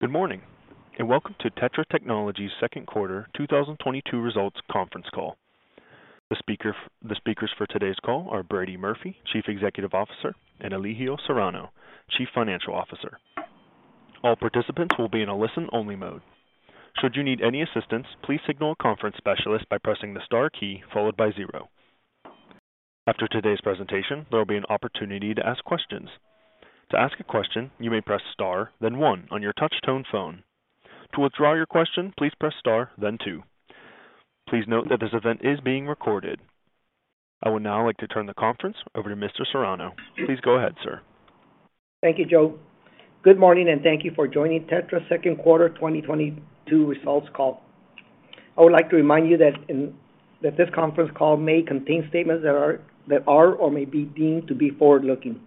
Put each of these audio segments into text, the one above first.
Good morning, and welcome to TETRA Technologies' Second Quarter 2022 Results conference call. The speakers for today's call are Brady Murphy, Chief Executive Officer, and Elijio Serrano, Chief Financial Officer. All participants will be in a listen-only mode. Should you need any assistance, please signal a conference specialist by pressing the star key followed by zero. After today's presentation, there will be an opportunity to ask questions. To ask a question, you may press star, then one on your touch tone phone. To withdraw your question, please press star then two. Please note that this event is being recorded. I would now like to turn the conference over to Mr. Serrano. Please go ahead, sir. Thank you, Joe. Good morning, and thank you for joining TETRA's Second Quarter 2022 Results call. I would like to remind you that this conference call may contain statements that are or may be deemed to be forward-looking.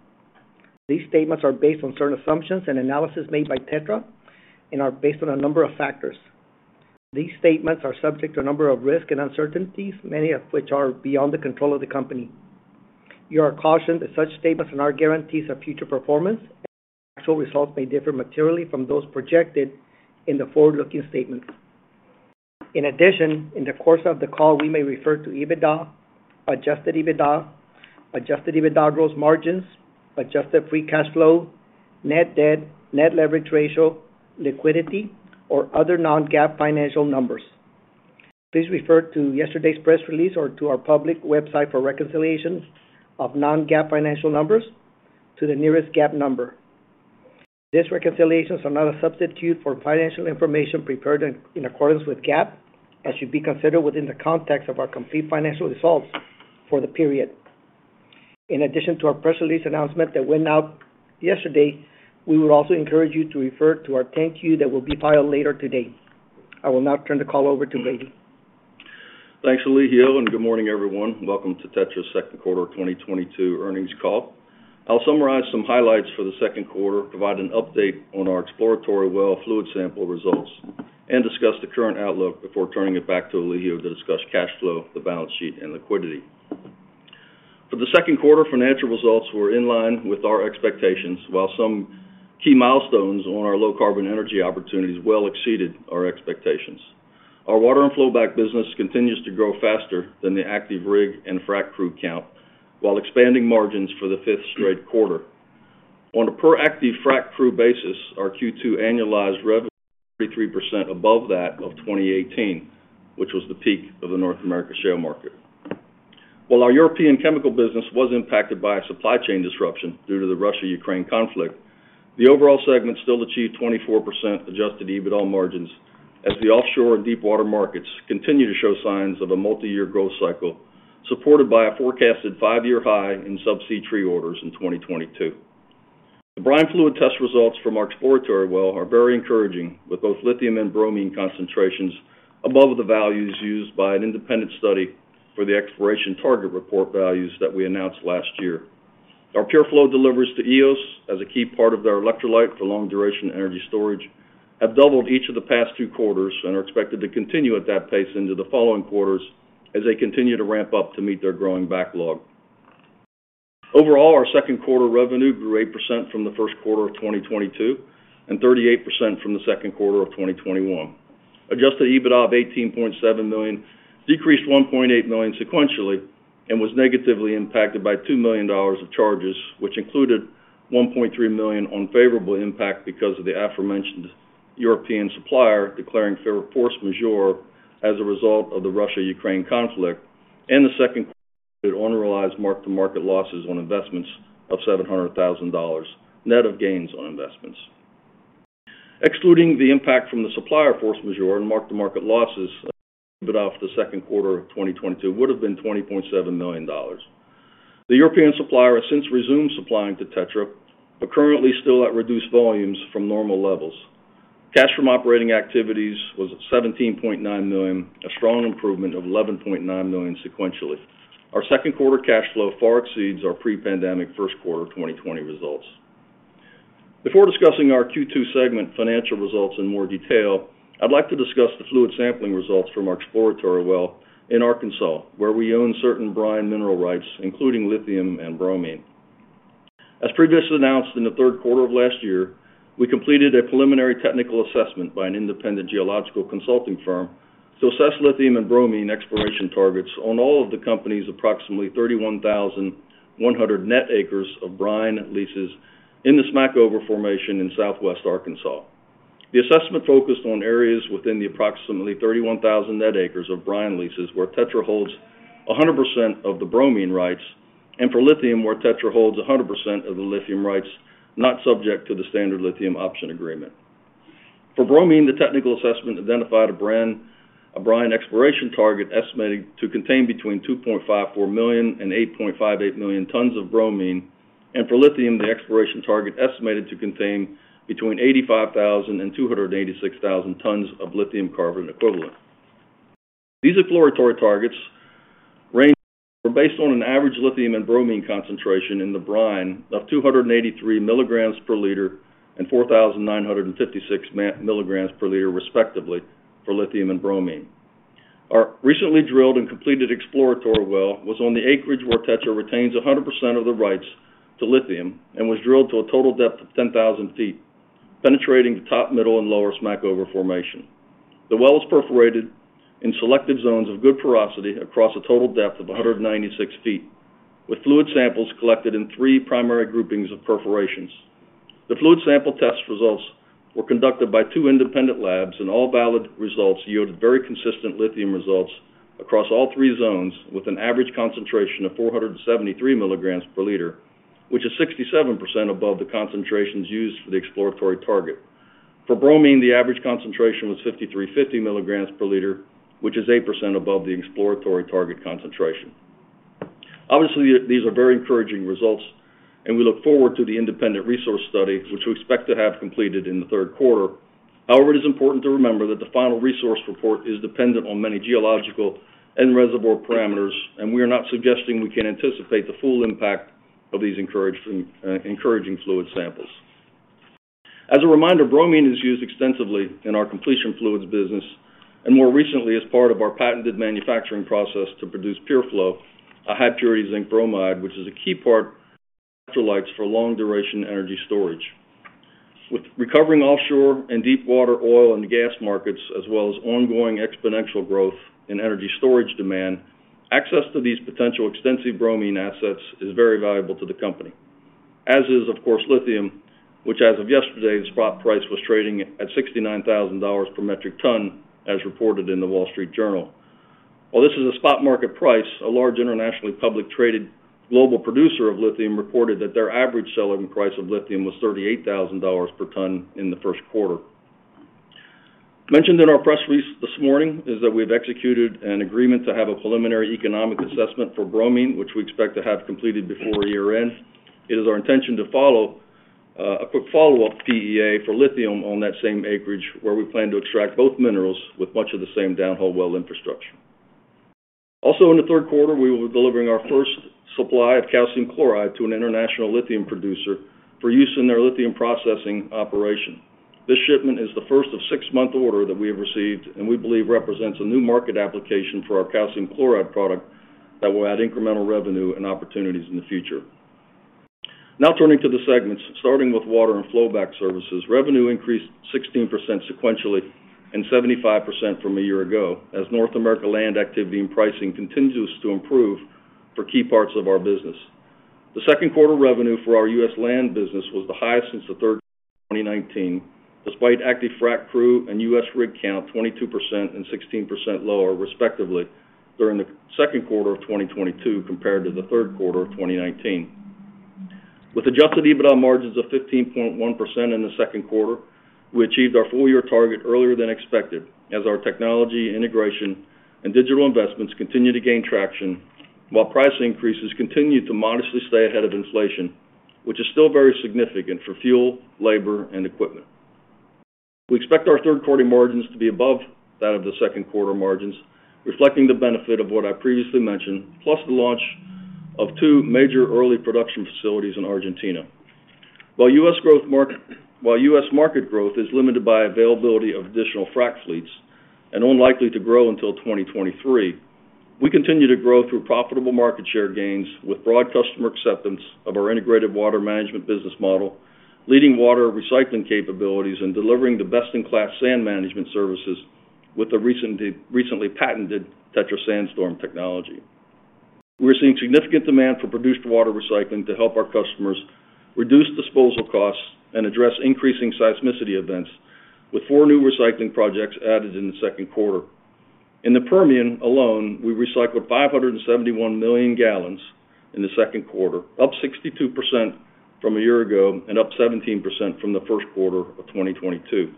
These statements are based on certain assumptions and analysis made by TETRA and are based on a number of factors. These statements are subject to a number of risks and uncertainties, many of which are beyond the control of the company. You are cautioned that such statements are not guarantees of future performance, and actual results may differ materially from those projected in the forward-looking statements. In addition, in the course of the call, we may refer to EBITDA, Adjusted EBITDA, Adjusted EBITDA gross margin, Adjusted free cash flow, net debt, net leverage ratio, liquidity, or other non-GAAP financial numbers. Please refer to yesterday's press release or to our public website for reconciliations of non-GAAP financial numbers to the nearest GAAP number. These reconciliations are not a substitute for financial information prepared in accordance with GAAP and should be considered within the context of our complete financial results for the period. In addition to our press release announcement that went out yesterday, we would also encourage you to refer to our 10-Q that will be filed later today. I will now turn the call over to Brady. Thanks, Elijio, and good morning, everyone. Welcome to TETRA's Second Quarter 2022 earnings call. I'll summarize some highlights for the second quarter, provide an update on our exploratory well fluid sample results, and discuss the current outlook before turning it back to Elijio to discuss cash flow, the balance sheet, and liquidity. For the second quarter, financial results were in line with our expectations while some key milestones on our low carbon energy opportunities well exceeded our expectations. Our water and flowback business continues to grow faster than the active rig and frack crew count while expanding margins for the fifth straight quarter. On a per active frack crew basis, our Q2 annualized revenue 33% above that of 2018, which was the peak of the North American shale market. While our European chemical business was impacted by a supply chain disruption due to the Russia-Ukraine conflict, the overall segment still achieved 24% Adjusted EBITDA margins as the offshore and deepwater markets continue to show signs of a multiyear growth cycle, supported by a forecasted five-year high in subsea tree orders in 2022. The brine fluid test results from our exploratory well are very encouraging, with both lithium and bromine concentrations above the values used by an independent study for the exploration target report values that we announced last year. Our PureFlow deliveries to Eos as a key part of their electrolyte for long duration energy storage have doubled each of the past two quarters and are expected to continue at that pace into the following quarters as they continue to ramp up to meet their growing backlog. Overall, our second quarter revenue grew 8% from the first quarter of 2022 and 38% from the second quarter of 2021. Adjusted EBITDA of $18.7 million decreased $1.8 million sequentially and was negatively impacted by $2 million of charges, which included $1.3 million unfavorable impact because of the aforementioned European supplier declaring force majeure as a result of the Russia-Ukraine conflict. The second quarter realized mark-to-market losses on investments of $700,000 net of gains on investments. Excluding the impact from the supplier force majeure and mark-to-market losses, EBITDA for the second quarter of 2022 would have been $20.7 million. The European supplier has since resumed supplying to TETRA, but currently still at reduced volumes from normal levels. Cash from operating activities was at $17.9 million, a strong improvement of $11.9 million sequentially. Our second quarter cash flow far exceeds our pre-pandemic first quarter 2020 results. Before discussing our Q2 segment financial results in more detail, I'd like to discuss the fluid sampling results from our exploratory well in Arkansas, where we own certain brine mineral rights, including lithium and bromine. As previously announced in the third quarter of last year, we completed a preliminary technical assessment by an independent geological consulting firm to assess lithium and bromine exploration targets on all of the company's approximately 31,100 net acres of brine leases in the Smackover Formation in Southwest Arkansas. The assessment focused on areas within the approximately 31,000 net acres of brine leases, where TETRA holds 100% of the bromine rights, and for lithium, where TETRA holds 100% of the lithium rights not subject to the Standard Lithium option agreement. For bromine, the technical assessment identified a brine exploration target estimated to contain between 2.54 million and 8.58 million tons of bromine. For lithium, the exploration target estimated to contain between 85,000 and 286,000 tons of lithium carbonate equivalent. These exploratory targets were based on an average lithium and bromine concentration in the brine of 283 mg/L and 4,956 mg/L, respectively, for lithium and bromine. Our recently drilled and completed exploratory well was on the acreage where TETRA retains 100% of the rights to lithium and was drilled to a total depth of 10,000 feet, penetrating the top, middle, and lower Smackover Formation. The well is perforated in selective zones of good porosity across a total depth of 196 ft, with fluid samples collected in three primary groupings of perforations. The fluid sample test results were conducted by two independent laboratories and all valid results yielded very consistent lithium results across all three zones with an average concentration of 473 mg/L, which is 67% above the concentrations used for the exploratory target. For bromine, the average concentration was 5,350 mg/L, which is 8% above the exploratory target concentration. Obviously, these are very encouraging results and we look forward to the independent resource study, which we expect to have completed in the third quarter. However, it is important to remember that the final resource report is dependent on many geological and reservoir parameters, and we are not suggesting we can anticipate the full impact of these encouraging fluid samples. As a reminder, bromine is used extensively in our completion fluids business and more recently as part of our patented manufacturing process to produce PureFlow, a high purity zinc bromide, which is a key part of electrolytes for long duration energy storage. With recovering offshore and deepwater oil and gas markets, as well as ongoing exponential growth in energy storage demand, access to these potential extensive bromine assets is very valuable to the company. As is of course, lithium, which as of yesterday, the spot price was trading at $69,000 per metric ton as reported in The Wall Street Journal. While this is a spot market price, a large internationally public traded global producer of lithium reported that their average selling price of lithium was $38,000 per ton in the first quarter. Mentioned in our press release this morning is that we've executed an agreement to have a preliminary economic assessment for bromine, which we expect to have completed before year-end. It is our intention to follow, a quick follow-up PEA for lithium on that same acreage where we plan to extract both minerals with much of the same downhole well infrastructure. Also in the third quarter, we will be delivering our first supply of calcium chloride to an international lithium producer for use in their lithium processing operation. This shipment is the first of six-month order that we have received and we believe represents a new market application for our calcium chloride product that will add incremental revenue and opportunities in the future. Now turning to the segments, starting with water and flowback services. Revenue increased 16% sequentially and 75% from a year ago as North America land activity and pricing continues to improve for key parts of our business. The second quarter revenue for our U.S. land business was the highest since the third quarter of 2019, despite active frac crew and U.S. rig count 22% and 16% lower respectively during the second quarter of 2022 compared to the third quarter of 2019. With Adjusted EBITDA margins of 15.1% in the second quarter, we achieved our full year target earlier than expected as our technology integration and digital investments continue to gain traction, while price increases continued to modestly stay ahead of inflation, which is still very significant for fuel, labor, and equipment. We expect our third quarter margins to be above that of the second quarter margins, reflecting the benefit of what I previously mentioned, plus the launch of two major early production facilities in Argentina. While U.S. market growth is limited by availability of additional frac fleets and unlikely to grow until 2023, we continue to grow through profitable market share gains with broad customer acceptance of our integrated water management business model, leading water recycling capabilities, and delivering the best in class sand management services with the recently patented TETRA SandStorm technology. We're seeing significant demand for produced water recycling to help our customers reduce disposal costs and address increasing seismicity events with four new recycling projects added in the second quarter. In the Permian alone, we recycled 571 million gallons in the second quarter, up 62% from a year ago and up 17% from the first quarter of 2022.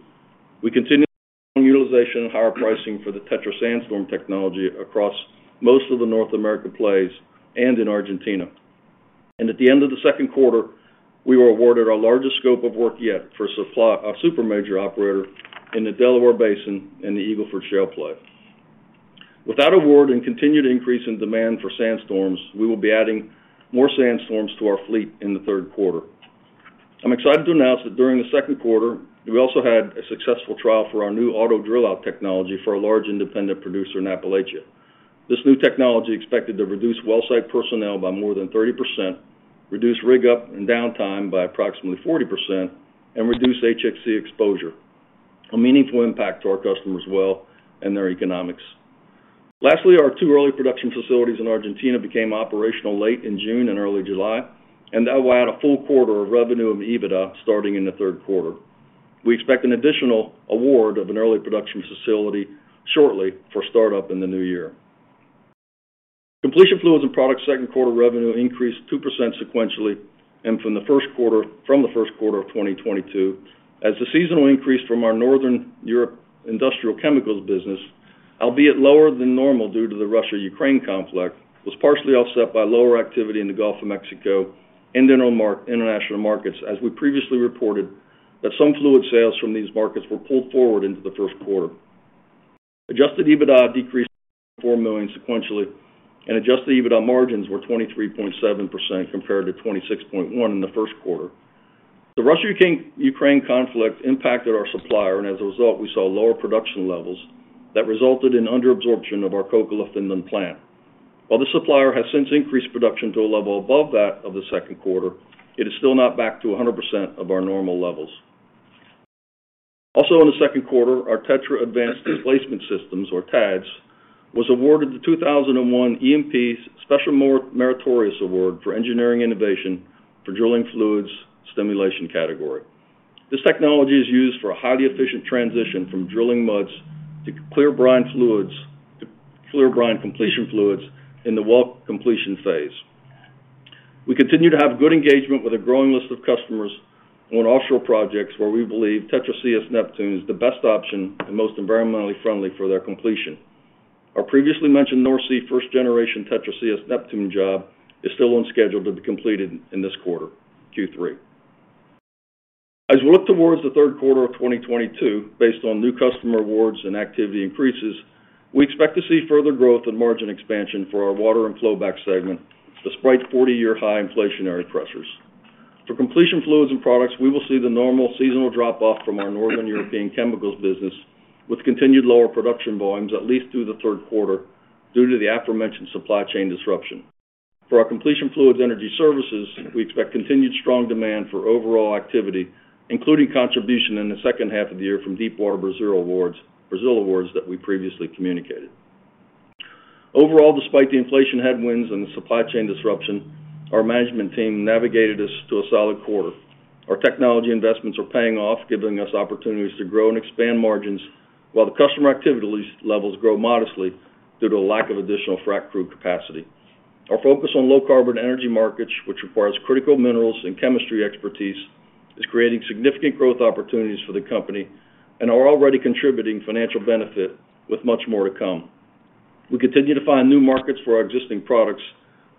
We continue to see strong utilization and higher pricing for the TETRA SandStorm technology across most of the North America plays and in Argentina. At the end of the second quarter, we were awarded our largest scope of work yet for supplying a super major operator in the Delaware Basin and the Eagle Ford Shale play. With that award and continued increase in demand for SandStorms, we will be adding more SandStorms to our fleet in the third quarter. I'm excited to announce that during the second quarter, we also had a successful trial for our new auto drill out technology for a large independent producer in Appalachia. This new technology expected to reduce well site personnel by more than 30%, reduce rig up and downtime by approximately 40%, and reduce HSE exposure, a meaningful impact to our customers well and their economics. Lastly, our two early production facilities in Argentina became operational late in June and early July, and that will add a full quarter of revenue and EBITDA starting in the third quarter. We expect an additional award of an early production facility shortly for startup in the new year. Completion fluids and products second quarter revenue increased 2% sequentially from the first quarter of 2022 as the seasonal increase from our Northern Europe industrial chemicals business, albeit lower than normal due to the Russia-Ukraine conflict, was partially offset by lower activity in the Gulf of Mexico international markets as we previously reported that some fluid sales from these markets were pulled forward into the first quarter. Adjusted EBITDA decreased to $44 million sequentially, and Adjusted EBITDA margins were 23.7% compared to 26.1% in the first quarter. The Russia-Ukraine conflict impacted our supplier, and as a result, we saw lower production levels that resulted in under absorption of our Kokkola, Finland plant. While the supplier has since increased production to a level above that of the second quarter, it is still not back to 100% of our normal levels. Also in the second quarter, our TETRA Advanced Displacement Systems, or TADS, was awarded the 2021 E&P Special Meritorious Award for Engineering Innovation for drilling fluids stimulation category. This technology is used for a highly efficient transition from drilling muds to clear brine completion fluids in the well completion phase. We continue to have good engagement with a growing list of customers on offshore projects where we believe TETRA CS Neptune is the best option and most environmentally friendly for their completion. Our previously mentioned North Sea first generation TETRA CS Neptune job is still on schedule to be completed in this quarter, Q3. As we look towards the third quarter of 2022, based on new customer awards and activity increases, we expect to see further growth and margin expansion for our water and flowback segment despite 40-year high inflationary pressures. For completion fluids and products, we will see the normal seasonal drop off from our Northern European chemicals business with continued lower production volumes at least through the third quarter due to the aforementioned supply chain disruption. For our completion fluids energy services, we expect continued strong demand for overall activity, including contribution in the second half of the year from deep water Brazil awards, Brazil awards that we previously communicated. Overall, despite the inflation headwinds and the supply chain disruption, our management team navigated us to a solid quarter. Our technology investments are paying off, giving us opportunities to grow and expand margins while the customer activity levels grow modestly due to a lack of additional frac crew capacity. Our focus on low carbon energy markets, which requires critical minerals and chemistry expertise, is creating significant growth opportunities for the company and are already contributing financial benefit with much more to come. We continue to find new markets for our existing products,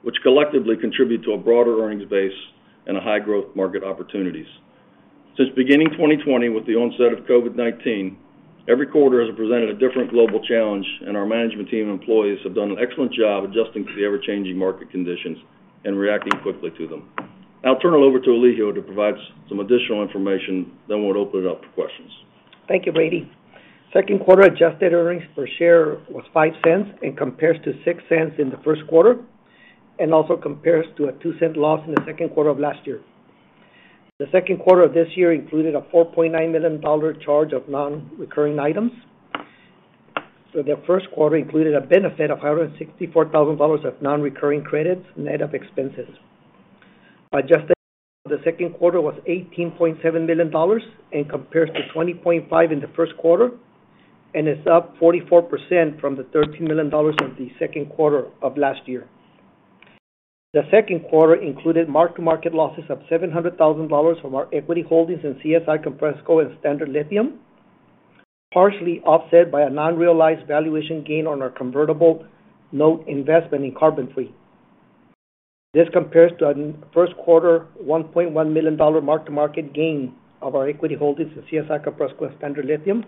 which collectively contribute to a broader earnings base and a high growth market opportunities. Since beginning 2020 with the onset of COVID-19, every quarter has presented a different global challenge, and our management team and employees have done an excellent job adjusting to the ever-changing market conditions and reacting quickly to them. I'll turn it over to Elijio to provide some additional information, then we'll open it up for questions. Thank you, Brady. Second quarter adjusted earnings per share was $0.05 and compares to $0.06 in the first quarter and also compares to a $0.02 loss in the second quarter of last year. The second quarter of this year included a $4.9 million charge of non-recurring items. The first quarter included a benefit of $164,000 of non-recurring credits, net of expenses. Adjusted EBITDA for the second quarter was $18.7 million and compares to $20.5 million in the first quarter, and is up 44% from the $13 million of the second quarter of last year. The second quarter included mark-to-market losses of $700,000 from our equity holdings in CSI Compressco and Standard Lithium, partially offset by an unrealized valuation gain on our convertible note investment in CarbonFree. This compares to a first quarter $1.1 million mark-to-market gain of our equity holdings in CSI Compressco and Standard Lithium.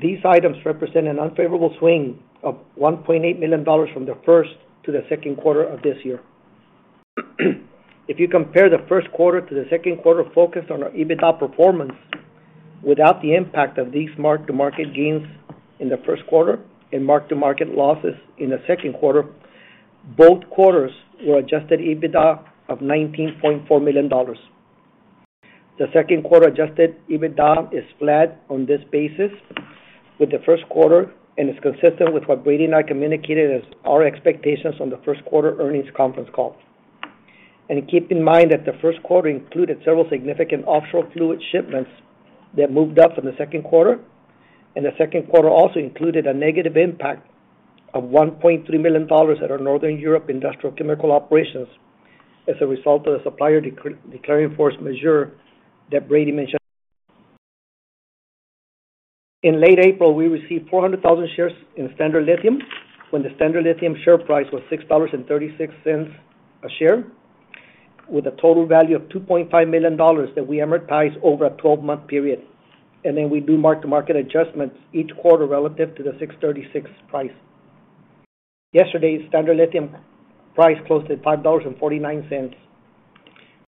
These items represent an unfavorable swing of $1.8 million from the first to the second quarter of this year. If you compare the first quarter to the second quarter focused on our EBITDA performance without the impact of these mark-to-market gains in the first quarter and mark-to-market losses in the second quarter, both quarters were Adjusted EBITDA of $19.4 million. The second quarter Adjusted EBITDA is flat on this basis with the first quarter and is consistent with what Brady and I communicated as our expectations on the first quarter earnings conference call. Keep in mind that the first quarter included several significant offshore fluid shipments that moved up from the second quarter, and the second quarter also included a negative impact of $1.3 million at our Northern Europe industrial chemical operations as a result of the supplier declaring force majeure that Brady mentioned. In late April, we received 400,000 shares in Standard Lithium when the Standard Lithium share price was $6.36 a share, with a total value of $2.5 million that we amortize over a 12-month period. Then we do mark-to-market adjustments each quarter relative to the $6.36 price. Yesterday, Standard Lithium price closed at $5.49.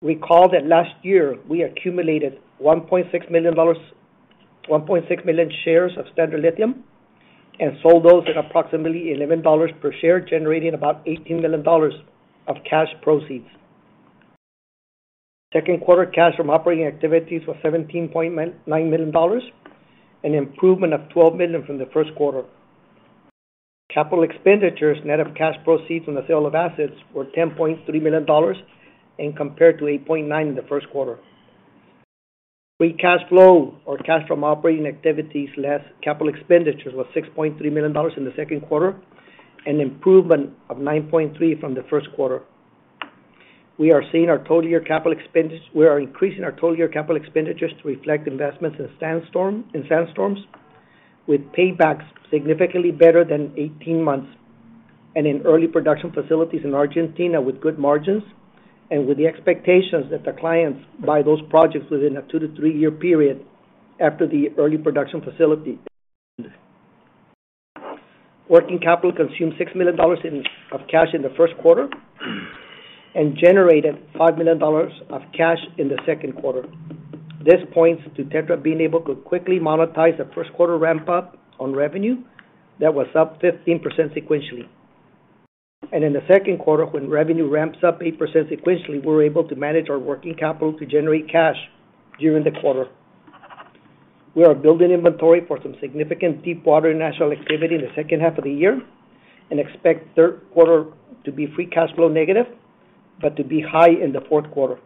Recall that last year we accumulated 1.6 million shares of Standard Lithium and sold those at approximately $11 per share, generating about $18 million of cash proceeds. Second quarter cash from operating activities was $17.9 million, an improvement of $12 million from the first quarter. Capital expenditures, net of cash proceeds from the sale of assets, were $10.3 million compared to $8.9 million in the first quarter. Free cash flow or cash from operating activities, less capital expenditures, was $6.3 million in the second quarter, an improvement of $9.3 million from the first quarter. We are increasing our total year capital expenditures to reflect investments in SandStorm, in SandStorms with paybacks significantly better than 18 months and in Early Production Facilities in Argentina with good margins and with the expectations that the clients buy those projects within a two to three-year period after the Early Production Facility. Working capital consumed $6 million of cash in the first quarter and generated $5 million of cash in the second quarter. This points to Tetra being able to quickly monetize the first quarter ramp-up on revenue that was up 15% sequentially. In the second quarter, when revenue ramps up 8% sequentially, we're able to manage our working capital to generate cash during the quarter. We are building inventory for some significant deep water national activity in the second half of the year and expect third quarter to be free cash flow negative, but to be high in the fourth quarter.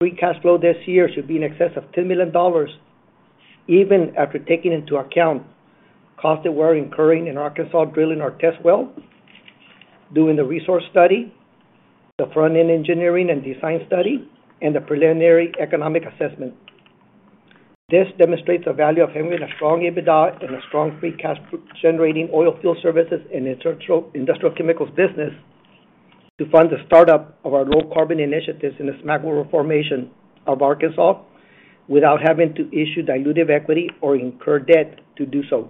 Free cash flow this year should be in excess of $10 million even after taking into account costs that we're incurring in Arkansas, drilling our test well, doing the resource study, the front-end engineering and design study, and the preliminary economic assessment. This demonstrates the value of having a strong EBITDA and a strong free cash generating oil field services and industrial chemicals business to fund the startup of our low carbon initiatives in the Smackover Formation of Arkansas without having to issue dilutive equity or incur debt to do so.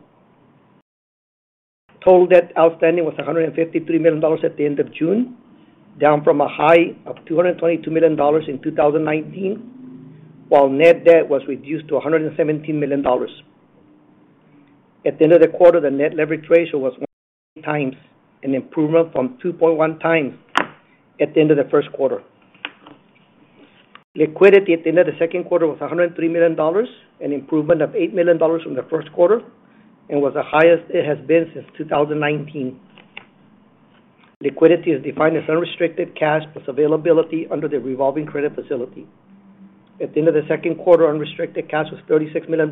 Total debt outstanding was $153 million at the end of June, down from a high of $222 million in 2019, while net debt was reduced to $117 million. At the end of the quarter, the net leverage ratio was 1x, an improvement from 2.1x at the end of the first quarter. Liquidity at the end of the second quarter was $103 million, an improvement of $8 million from the first quarter, and was the highest it has been since 2019. Liquidity is defined as unrestricted cash plus availability under the revolving credit facility. At the end of the second quarter, unrestricted cash was $36 million,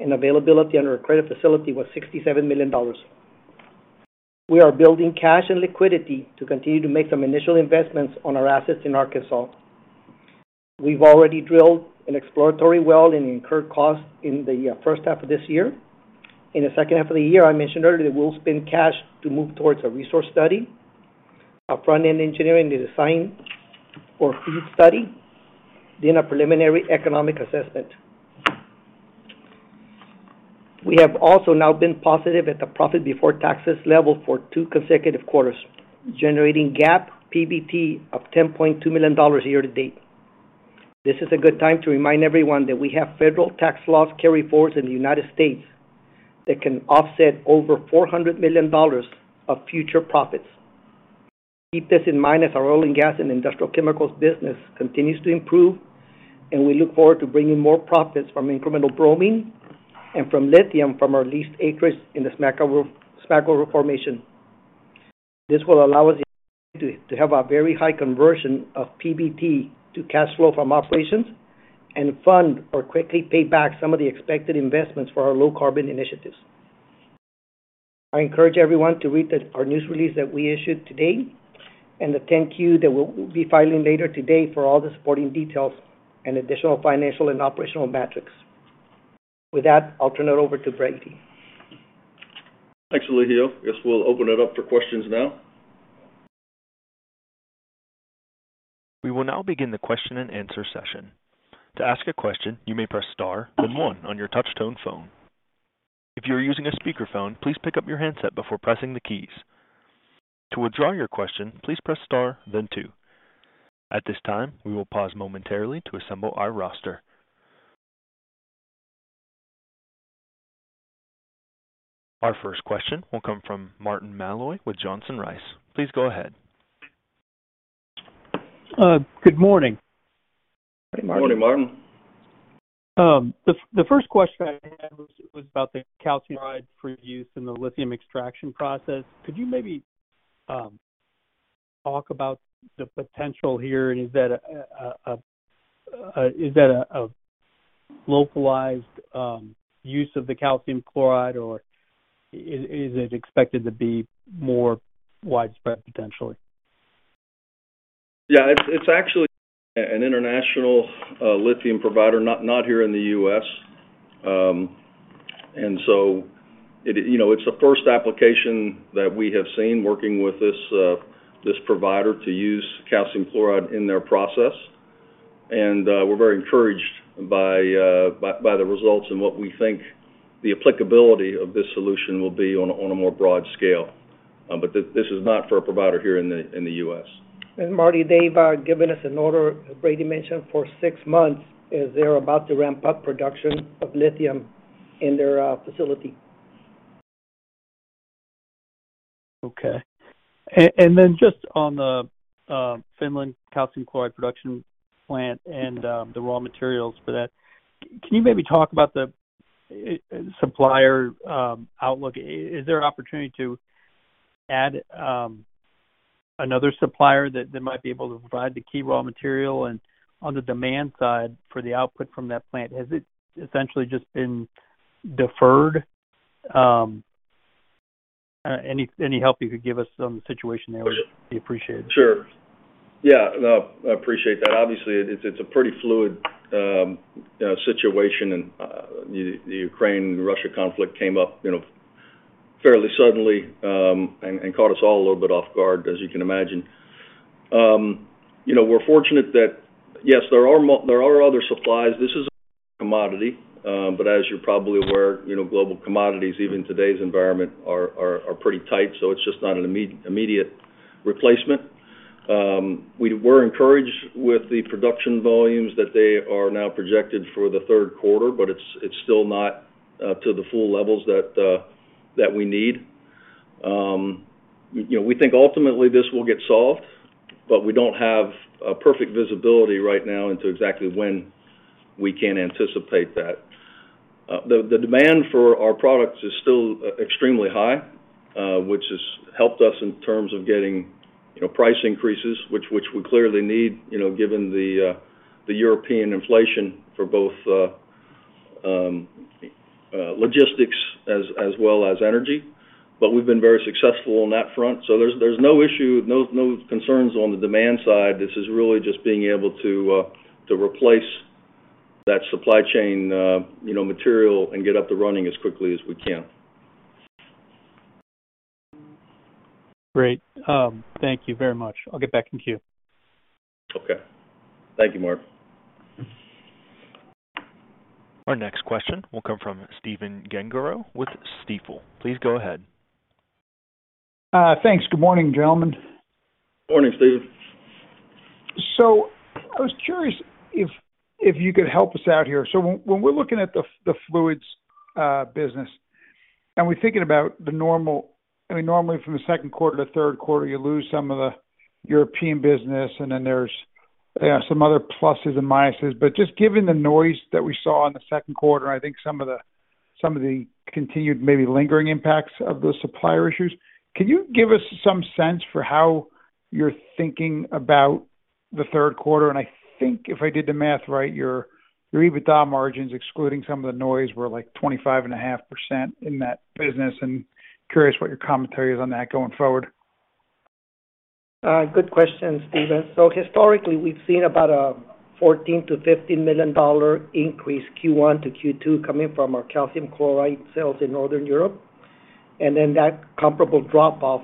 and availability under our credit facility was $67 million. We are building cash and liquidity to continue to make some initial investments on our assets in Arkansas. We've already drilled an exploratory well and incurred costs in the first half of this year. In the second half of the year, I mentioned earlier that we'll spend cash to move towards a resource study, a front-end engineering design or FEED study, then a preliminary economic assessment. We have also now been positive at the profit before taxes level for two consecutive quarters, generating GAAP PBT of $10.2 million year to date. This is a good time to remind everyone that we have federal tax loss carryforwards in the United States that can offset over $400 million of future profits. Keep this in mind as our oil and gas and industrial chemicals business continues to improve, and we look forward to bringing more profits from incremental bromine and from lithium from our leased acreage in the Smackover Formation. This will allow us to have a very high conversion of PBT to cash flow from operations and fund or quickly pay back some of the expected investments for our low carbon initiatives. I encourage everyone to read our news release that we issued today and the 10-Q that we'll be filing later today for all the supporting details and additional financial and operational metrics. With that, I'll turn it over to Brady. Thanks, Elijio. Guess we'll open it up for questions now. We will now begin the question and answer session. To ask a question, you may press star then one on your touch tone phone. If you are using a speaker phone, please pick up your handset before pressing the keys. To withdraw your question, please press star then two. At this time, we will pause momentarily to assemble our roster. Our first question will come from Martin Malloy with Johnson Rice. Please go ahead. Good morning. Good morning. Good morning, Martin. The first question I had was about the calcium chloride for use in the lithium extraction process. Could you maybe talk about the potential here? Is that a localized use of the calcium chloride, or is it expected to be more widespread potentially? Yeah. It's actually an international lithium provider, not here in the U.S. You know, it's the first application that we have seen working with this provider to use calcium chloride in their process. We're very encouraged by the results and what we think the applicability of this solution will be on a more broad scale. This is not for a provider here in the U.S. Martin, they've given us an order, Brady mentioned, for six months as they're about to ramp up production of lithium in their facility. Okay. Then just on the Finland calcium chloride production plant and the raw materials for that, can you maybe talk about the supplier outlook? Is there an opportunity to add another supplier that might be able to provide the key raw material? And on the demand side for the output from that plant, has it essentially just been deferred? Any help you could give us on the situation there would be appreciated. Sure. Yeah, no, I appreciate that. Obviously, it's a pretty fluid situation and the Ukraine and Russia conflict came up, you know, fairly suddenly, and caught us all a little bit off guard, as you can imagine. You know, we're fortunate that yes, there are other supplies. This is a commodity, but as you're probably aware, you know, global commodities, even in today's environment, are pretty tight, so it's just not an immediate replacement. We're encouraged with the production volumes that they are now projected for the third quarter, but it's still not to the full levels that we need. You know, we think ultimately this will get solved, but we don't have a perfect visibility right now into exactly when we can anticipate that. The demand for our products is still extremely high, which has helped us in terms of getting, you know, price increases which we clearly need, you know, given the European inflation for both logistics as well as energy. We've been very successful on that front. There's no issue, no concerns on the demand side. This is really just being able to replace that supply chain, you know, material and get up to running as quickly as we can. Great. Thank you very much. I'll get back in queue. Okay. Thank you, Martin. Our next question will come from Stephen Gengaro with Stifel. Please go ahead. Thanks. Good morning, gentlemen. Morning, Stephen. I was curious if you could help us out here. When we're looking at the fluids business, and we're thinking about the normal I mean normally from the second quarter to third quarter, you lose some of the European business, and then there's yeah some other pluses and minuses. Just given the noise that we saw in the second quarter, and I think some of the continued maybe lingering impacts of the supplier issues, can you give us some sense for how you're thinking about the third quarter? I think if I did the math right, your EBITDA margins, excluding some of the noise, were like 25.5% in that business. Curious what your commentary is on that going forward. Good question, Stephen. Historically, we've seen about a $14 million-$15 million increase Q1-Q2 coming from our calcium chloride sales in Northern Europe. That comparable drop-off,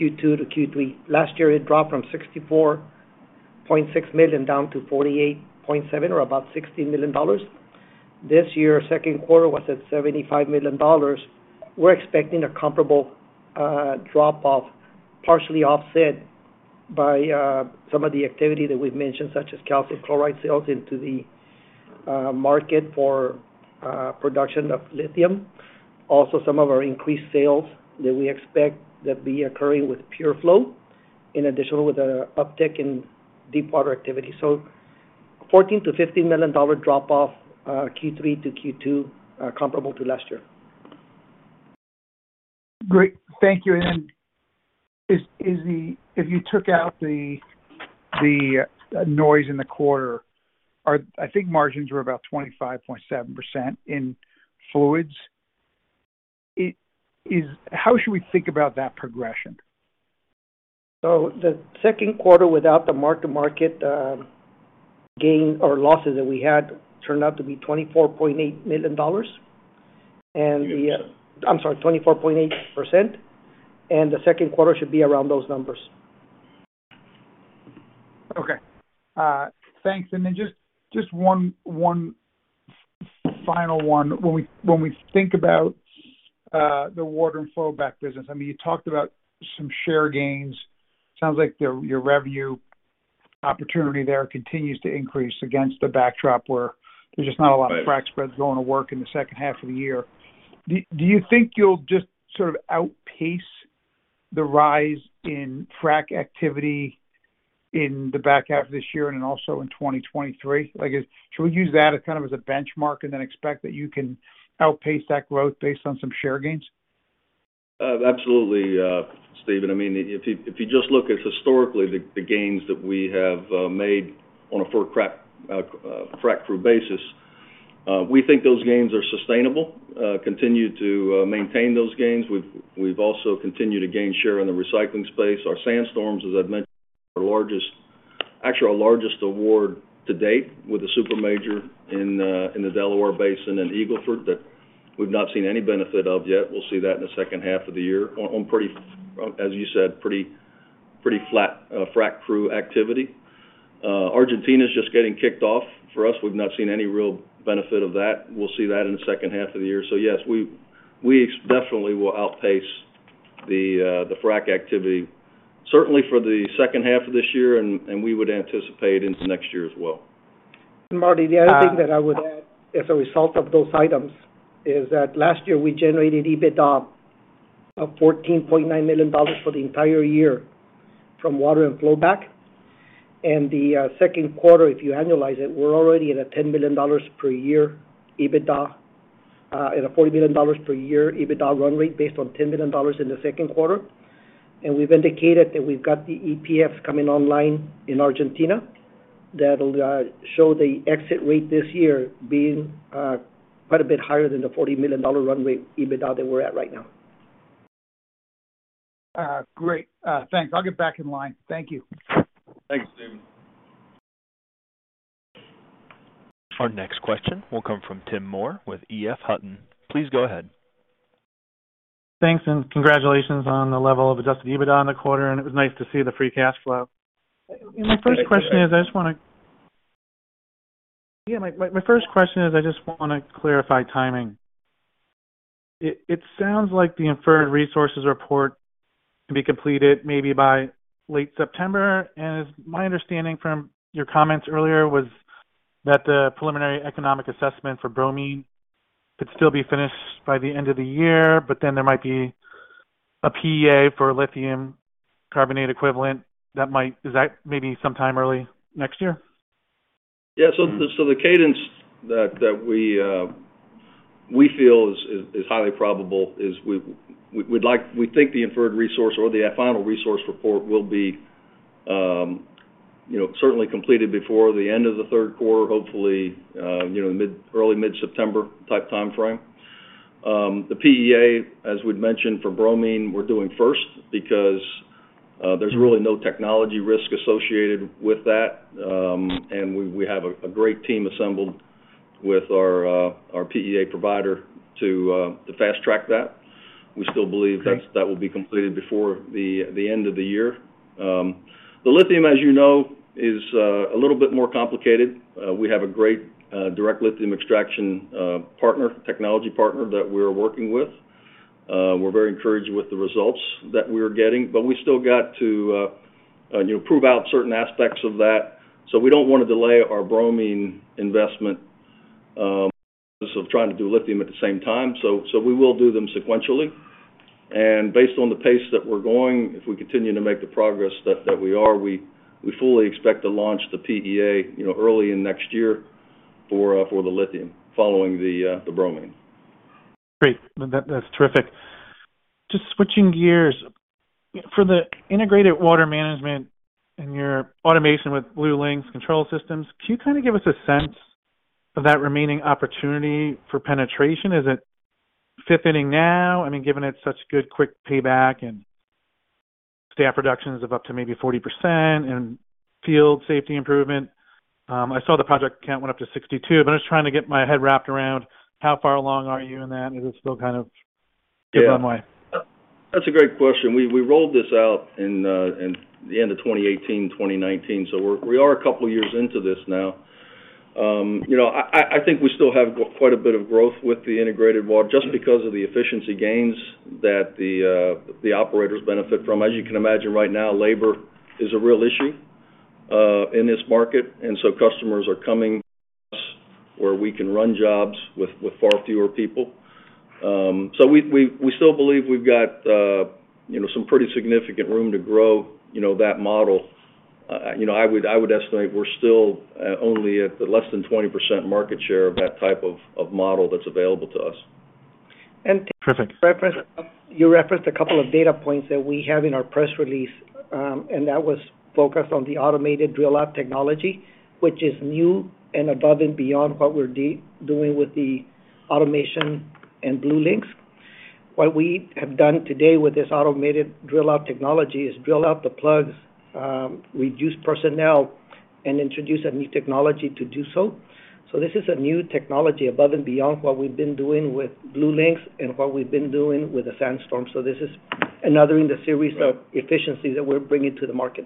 Q2-Q3. Last year, it dropped from $64.6 million down to $48.7 million, or about $60 million. This year, second quarter was at $75 million. We're expecting a comparable drop-off, partially offset by some of the activity that we've mentioned, such as calcium chloride sales into the market for production of lithium. Also, some of our increased sales that we expect to be occurring with PureFlow, in addition with an uptick in deepwater activity. $14 million-$15 million drop-off, Q3-Q2, comparable to last year. Great. Thank you. If you took out the noise in the quarter, I think margins were about 25.7% in fluids. How should we think about that progression? The second quarter without the mark-to-market gain or losses that we had turned out to be 24.8%. The second quarter should be around those numbers. Okay. Thanks. Then just one final one. When we think about the water and flowback business, I mean, you talked about some share gains. Sounds like your revenue opportunity there continues to increase against the backdrop where there's just not a lot of frack spreads going to work in the second half of the year. Do you think you'll just sort of outpace the rise in frack activity in the back half of this year and then also in 2023? Like, should we use that as kind of as a benchmark and then expect that you can outpace that growth based on some share gains? Absolutely, Stephen. I mean, if you just look at historically the gains that we have made on a frac crew basis, we think those gains are sustainable. Continue to maintain those gains. We've also continued to gain share in the recycling space. Our SandStorm, as I've mentioned, actually our largest award to date with a supermajor in the Delaware Basin in Eagle Ford that we've not seen any benefit of yet. We'll see that in the second half of the year on, as you said, pretty flat frac crew activity. Argentina's just getting kicked off for us. We've not seen any real benefit of that. We'll see that in the second half of the year. Yes, we definitely will outpace the frack activity certainly for the second half of this year and we would anticipate into next year as well. Marty, the other thing that I would add as a result of those items is that last year, we generated EBITDA of $14.9 million for the entire year from water and flowback. The second quarter, if you annualize it, we're already at a $10 million per year EBITDA, at a $40 million per year EBITDA run rate based on $10 million in the second quarter. We've indicated that we've got the EPFs coming online in Argentina that'll show the exit rate this year being quite a bit higher than the $40 million run rate EBITDA that we're at right now. Great. Thanks. I'll get back in line. Thank you. Thanks, Stephen. Our next question will come from Tim Moore with EF Hutton. Please go ahead. Thanks, and congratulations on the level of Adjusted EBITDA in the quarter, and it was nice to see the free cash flow. My first question is, I just wanna clarify timing. It sounds like the Inferred Resource report can be completed maybe by late September. It's my understanding from your comments earlier was that the preliminary economic assessment for bromine could still be finished by the end of the year, but then there might be a PEA for lithium carbonate equivalent that might be sometime early next year. Yeah. The cadence that we feel is highly probable is we think the Inferred Resource or the Final Resource Report will be, you know, certainly completed before the end of the third quarter, hopefully, you know, early mid-September type timeframe. The PEA, as we'd mentioned for bromine, we're doing first because there's really no technology risk associated with that. We have a great team assembled with our PEA provider to fast-track that. We still believe that. Okay. That will be completed before the end of the year. The lithium, as you know, is a little bit more complicated. We have a great direct lithium extraction partner, technology partner that we're working with. We're very encouraged with the results that we are getting, but we still got to you know, prove out certain aspects of that. We don't wanna delay our bromine investment because of trying to do lithium at the same time. We will do them sequentially. Based on the pace that we're going, if we continue to make the progress that we are, we fully expect to launch the PEA, you know, early in next year for the lithium following the bromine. Great. That's terrific. Just switching gears. For the integrated water management and your automation with TETRA BlueLinx automated control systems, can you kind of give us a sense of that remaining opportunity for penetration? Is it fifth-inning now? I mean, given its such good quick payback and staff reductions of up to maybe 40% and field safety improvement. I saw the project count went up to 62%, but I'm just trying to get my head wrap around how far along are you in that? Is it still kind of- Yeah. A runway? That's a great question. We rolled this out in the end of 2018, 2019, so we are a couple years into this now. I think we still have quite a bit of growth with the integrated well just because of the efficiency gains that the operators benefit from. As you can imagine right now, labor is a real issue in this market, and so customers are coming to us where we can run jobs with far fewer people. We still believe we've got you know, some pretty significant room to grow, you know, that model. I would estimate we're still only at less than 20% market share of that type of model that's available to us. Perfect. You referenced a couple of data points that we have in our press release, and that was focused on the automated drill out technology, which is new and above and beyond what we're doing with the automation and TETRA BlueLinx. What we have done today with this automated drill out technology is drill out the plugs, reduce personnel, and introduce a new technology to do so. This is a new technology above and beyond what we've been doing with TETRA BlueLinx and what we've been doing with the SandStorm. This is another in the series of efficiencies that we're bringing to the market.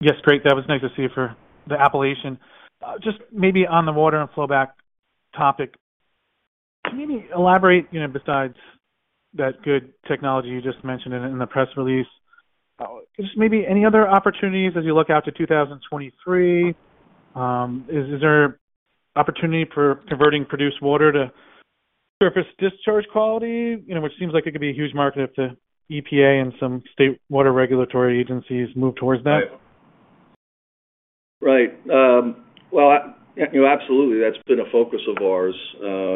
Yes, great. That was nice to see for the Appalachian. Just maybe on the water and flow back topic, can you elaborate, you know, besides that good technology you just mentioned in the press release, just maybe any other opportunities as you look out to 2023? Is there opportunity for converting produced water to surface discharge quality? You know, which seems like it could be a huge market if the EPA and some state water regulatory agencies move towards that. Right. Well, you know, absolutely, that's been a focus of ours,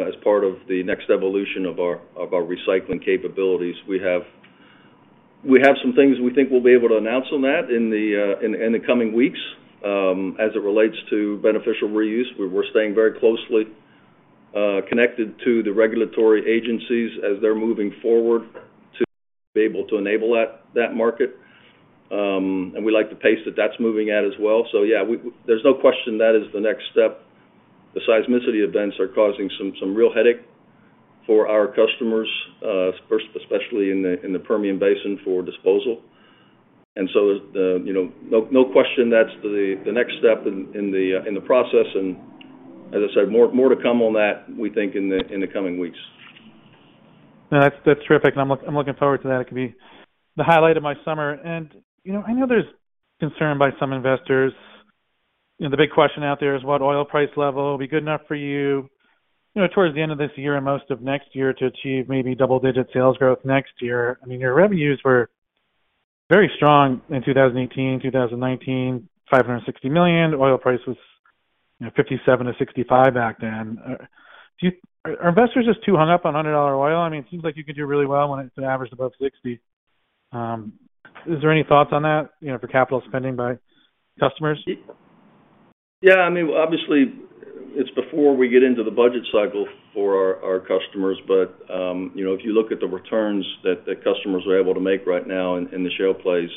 as part of the next evolution of our recycling capabilities. We have some things we think we'll be able to announce on that in the coming weeks. As it relates to beneficial reuse, we're staying very closely connected to the regulatory agencies as they're moving forward to be able to enable that market. We like the pace that that's moving at as well. Yeah, there's no question that is the next step. The seismicity events are causing some real headache for our customers, first especially in the Permian Basin for disposal. You know, no question that's the next step in the process. As I said, more to come on that. We think in the coming weeks. No, that's terrific. I'm looking forward to that. It could be the highlight of my summer. You know, I know there's concern by some investors. You know, the big question out there is what oil price level will be good enough for you towards the end of this year and most of next year to achieve maybe double-digit sales growth next year. I mean, your revenues were very strong in 2018, 2019, $560 million. Oil price was $57-$65 back then. Are investors just too hung up on $100 oil? I mean, it seems like you could do really well when it's an average above $60. Is there any thoughts on that for capital spending by customers? Yeah, I mean, obviously. It's before we get into the budget cycle for our customers. You know, if you look at the returns that the customers are able to make right now in the shale plays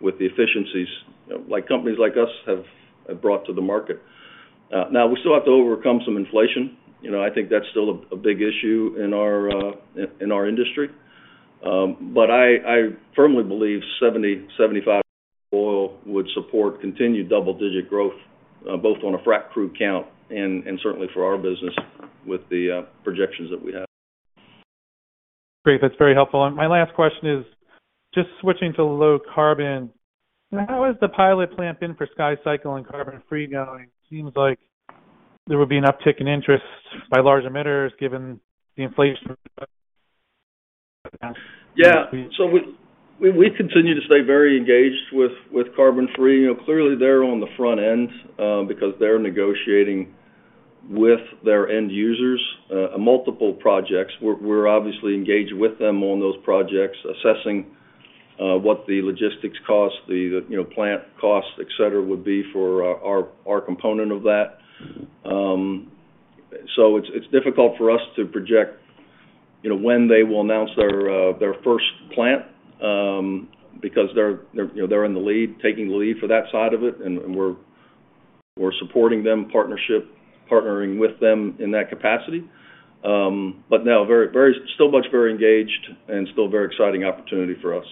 with the efficiencies like companies like us have brought to the market. Now we still have to overcome some inflation. You know, I think that's still a big issue in our industry. I firmly believe $70-$75 oil would support continued double-digit growth both on a frac crew count and certainly for our business with the projections that we have. Great. That's very helpful. My last question is just switching to low carbon. How has the pilot plant been for SkyCycle and CarbonFree going? Seems like there would be an uptick in interest by large emitters given the inflation. Yeah. We continue to stay very engaged with CarbonFree. You know, clearly they're on the front end because they're negotiating with their end users multiple projects. We're obviously engaged with them on those projects, assessing what the logistics costs, you know, plant costs, et cetera, would be for our component of that. It's difficult for us to project, you know, when they will announce their first plant because they're in the lead, taking the lead for that side of it, and we're supporting them, partnering with them in that capacity. But no, very much engaged and still very exciting opportunity for us.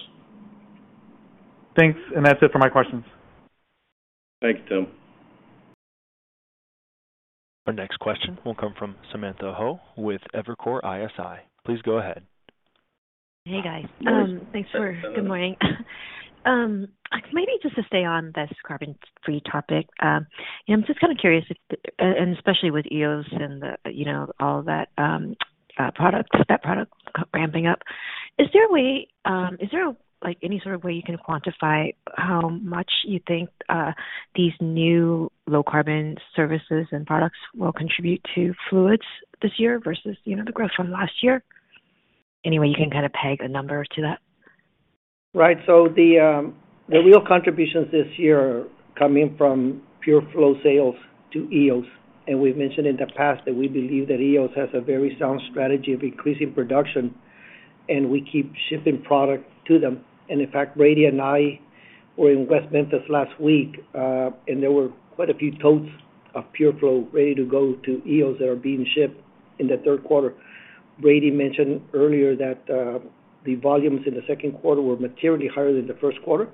Thanks. That's it for my questions. Thank you, Tim. Our next question will come from Samantha Hoh with Evercore ISI. Please go ahead. Hey, guys. Good morning. Maybe just to stay on this CarbonFree topic. I'm just kinda curious if the, and especially with Eos and the, you know, all that, product, that product ramping up. Is there a way, is there, like, any sort of way you can quantify how much you think, these new low carbon services and products will contribute to fluids this year versus, you know, the growth from last year? Any way you can kinda peg a number to that? Right. The real contributions this year are coming from PureFlow sales to Eos. We've mentioned in the past that we believe that Eos has a very sound strategy of increasing production, and we keep shipping product to them. In fact, Brady and I were in West Memphis last week, and there were quite a few totes of PureFlow ready to go to Eos that are being shipped in the third quarter. Brady mentioned earlier that the volumes in the second quarter were materially higher than the first quarter,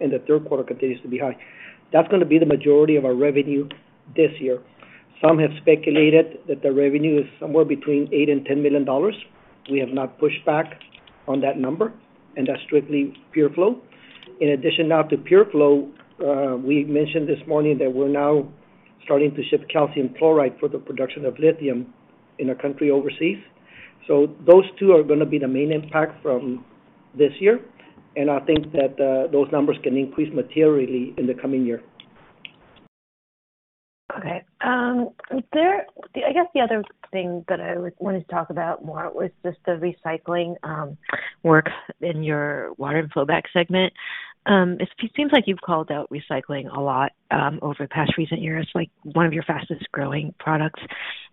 and the third quarter continues to be high. That's gonna be the majority of our revenue this year. Some have speculated that the revenue is somewhere between $8 million and $10 million. We have not pushed back on that number, and that's strictly PureFlow. In addition now to PureFlow, we mentioned this morning that we're now starting to ship calcium chloride for the production of lithium in a country overseas. Those two are gonna be the main impact from this year, and I think that, those numbers can increase materially in the coming year. Okay. I guess the other thing that I wanted to talk about more was just the recycling work in your water and flowback segment. It seems like you've called out recycling a lot over the past recent years, like, one of your fastest-growing products.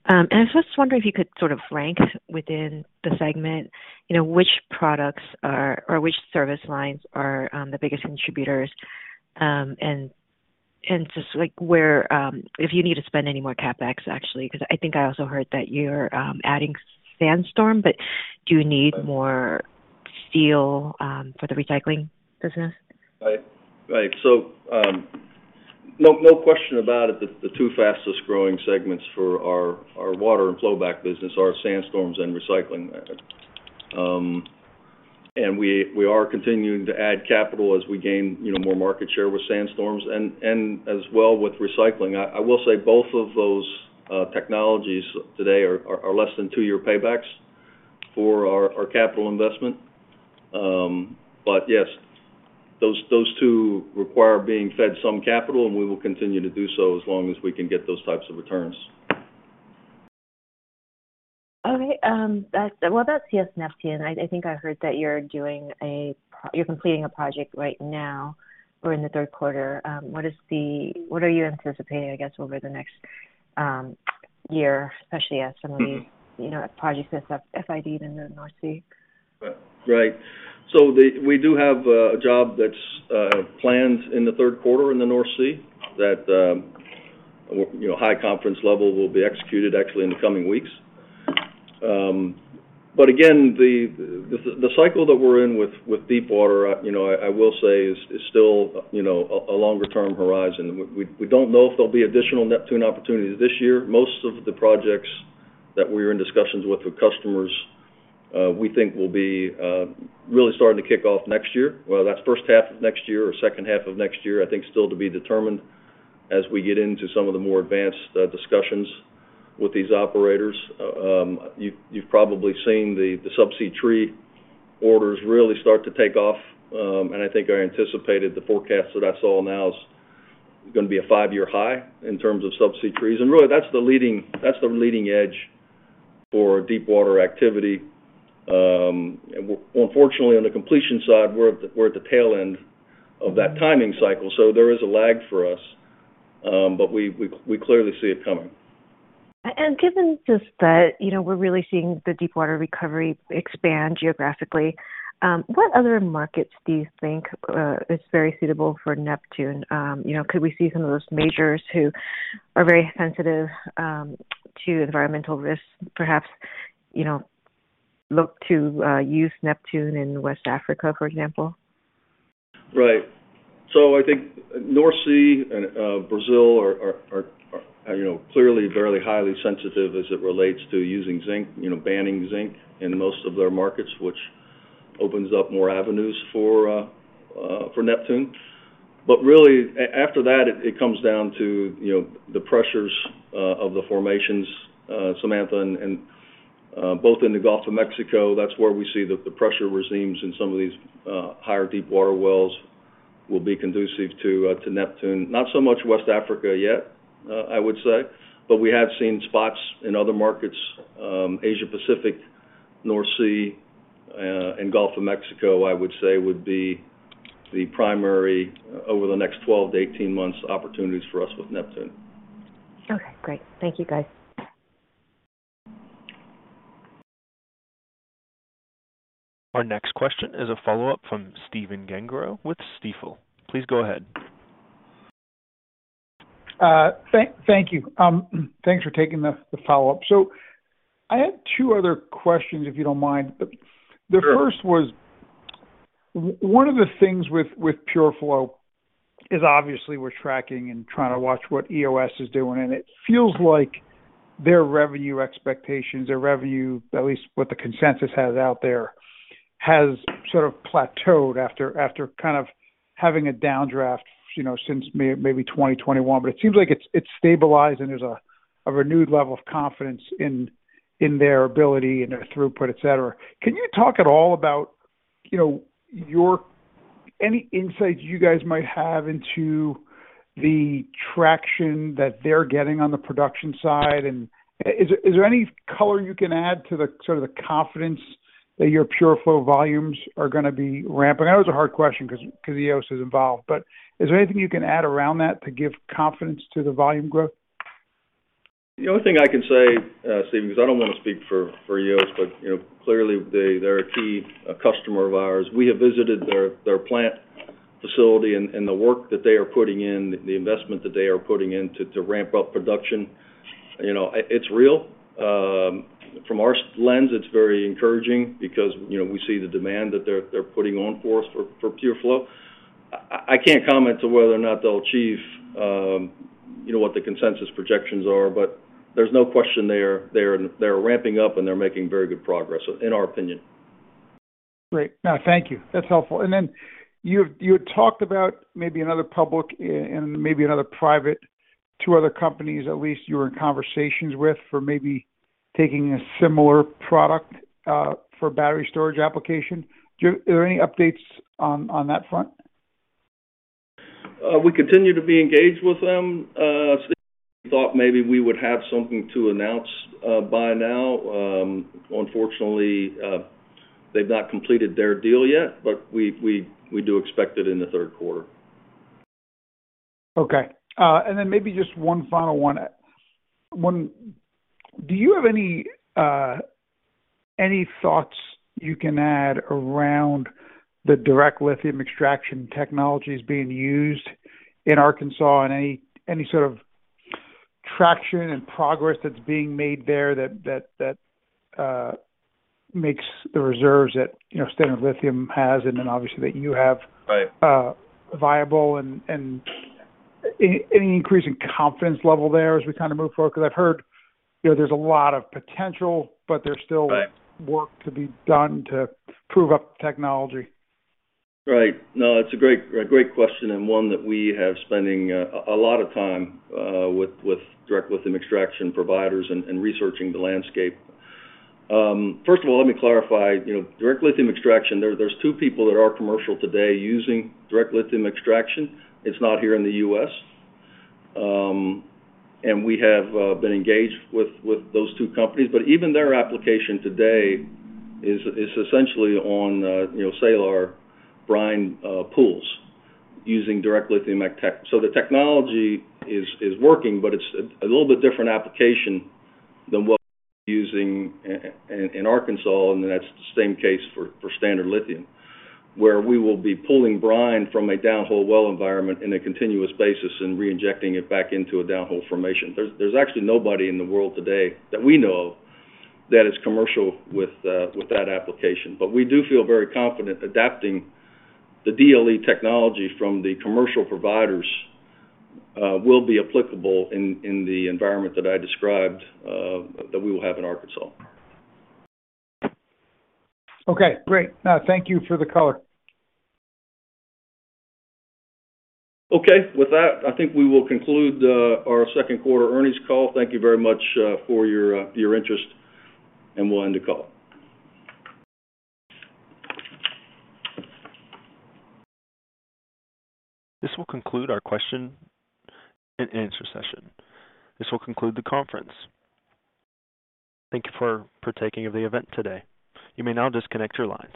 And I was just wondering if you could sort of rank within the segment, you know, which products are or which service lines are the biggest contributors. And just like, where if you need to spend any more CapEx, actually. 'Cause I think I also heard that you're adding SandStorm, but do you need more steel for the recycling business? Right. No question about it that the two fastest-growing segments for our water and flowback business are SandStorm and recycling. We are continuing to add capital as we gain, you know, more market share with SandStorm and as well with recycling. I will say both of those technologies today are less than two-year paybacks for our capital investment. Yes, those two require being fed some capital, and we will continue to do so as long as we can get those types of returns. What about CS Neptune? I think I heard that you're completing a project right now or in the third quarter. What are you anticipating, I guess, over the next year, especially as some of these- You know, projects get FID in the North Sea? Right. We do have a job that's planned in the third quarter in the North Sea that you know high confidence level will be executed actually in the coming weeks. Again, the cycle that we're in with deep water you know I will say is still you know a longer term horizon. We don't know if there'll be additional Neptune opportunities this year. Most of the projects that we're in discussions with customers we think will be really starting to kick off next year. Well, that's first half of next year or second half of next year, I think still to be determined as we get into some of the more advanced discussions with these operators. You've probably seen the subsea tree orders really start to take off. I think I anticipated the forecast that I saw now is gonna be a five-year high in terms of subsea trees. Really, that's the leading edge for deep water activity. Unfortunately, on the completion side, we're at the tail end of that timing cycle, so there is a lag for us. We clearly see it coming. Given just that, you know, we're really seeing the deepwater recovery expand geographically, what other markets do you think is very suitable for Neptune? You know, could we see some of those majors who are very sensitive to environmental risks, perhaps, you know, look to use Neptune in West Africa, for example? Right. I think North Sea and Brazil are, you know, clearly very highly sensitive as it relates to using zinc, you know, banning zinc in most of their markets, which opens up more avenues for Neptune. Really after that it comes down to, you know, the pressures of the formations, Samantha, and both in the Gulf of Mexico, that's where we see the pressure regimes in some of these higher deep water wells will be conducive to Neptune. Not so much West Africa yet, I would say. We have seen spots in other markets, Asia-Pacific, North Sea, and Gulf of Mexico, I would say would be the primary over the next 12-18 months, opportunities for us with Neptune. Okay, great. Thank you, guys. Our next question is a follow-up from Stephen Gengaro with Stifel. Please go ahead. Thank you. Thanks for taking the follow-up. I had two other questions, if you don't mind. Sure. The first was one of the things with PureFlow is obviously we're tracking and trying to watch what EOS is doing, and it feels like their revenue expectations, their revenue, at least what the consensus has out there, has sort of plateaued after kind of having a downdraft, you know, since maybe 2021. It seems like it's stabilized and there's a renewed level of confidence in their ability and their throughput, et cetera. Can you talk at all about, you know, your any insights you guys might have into the traction that they're getting on the production side? Is there any color you can add to the sort of the confidence that your PureFlow volumes are gonna be ramping? I know it's a hard question 'cause Eos is involved, but is there anything you can add around that to give confidence to the volume growth? The only thing I can say, Stephen, because I don't wanna speak for Eos, but you know, clearly they're a key customer of ours. We have visited their plant facility and the work that they are putting in, the investment that they are putting in to ramp up production, you know, it's real. From our lens, it's very encouraging because you know, we see the demand that they're putting on for us for PureFlow. I can't comment on whether or not they'll achieve you know, what the consensus projections are, but there's no question they are ramping up, and they're making very good progress in our opinion. Great. No, thank you. That's helpful. Then you had talked about maybe another public and maybe another private, two other companies at least you were in conversations with for maybe taking a similar product for battery storage application. Are there any updates on that front? We continue to be engaged with them. We thought maybe we would have something to announce by now. Unfortunately, they've not completed their deal yet, but we do expect it in the third quarter. Okay. Maybe just one final one. Do you have any thoughts you can add around the direct lithium extraction technologies being used in Arkansas and any sort of traction and progress that's being made there that makes the reserves that, you know, Standard Lithium has and then obviously that you have- Right. Viable and any increase in confidence level there as we kinda move forward? 'Cause I've heard, you know, there's a lot of potential, but there's still. Right. Work to be done to prove up the technology. Right. No, it's a great question and one that we have been spending a lot of time with direct lithium extraction providers and researching the landscape. First of all, let me clarify. You know, direct lithium extraction, there's two players that are commercial today using direct lithium extraction. It's not here in the U.S. And we have been engaged with those two companies. Even their application today is essentially on, you know, say, our brine pools using direct lithium tech. The technology is working, but it's a little bit different application than what we're using in Arkansas, and that's the same case for Standard Lithium, where we will be pulling brine from a downhole well environment on a continuous basis and reinjecting it back into a downhole formation. There's actually nobody in the world today that we know of that is commercial with that application. We do feel very confident adapting the DLE technologies from the commercial providers will be applicable in the environment that I described that we will have in Arkansas. Okay, great. No, thank you for the color. Okay. With that, I think we will conclude our second quarter earnings call. Thank you very much for your interest, and we'll end the call. This will conclude our question and answer session. This will conclude the conference. Thank you for partaking of the event today. You may now disconnect your lines.